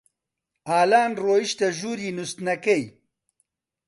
ئالان ڕۆیشتە ژووری نووستنەکەی.